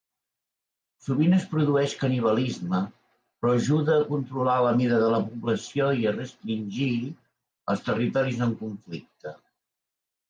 Sovint es produeix canibalisme, però ajuda a controlar la mida de la població i a restringir els territoris en conflicte.